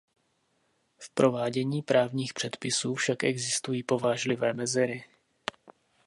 V provádění právních předpisů však existují povážlivé mezery.